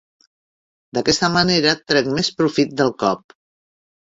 D'aquesta manera trec més profit del cop.